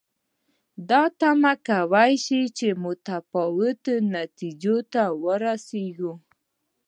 دا تمه کولای شو چې متفاوتو نتیجو ته ورسېږو.